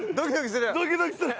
ドキドキする！